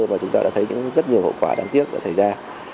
mà chúng ta đã thấy những rất nhiều hậu quả đáng tiếc đã xảy ra